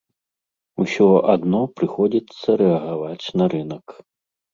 Усё адно прыходзіцца рэагаваць на рынак.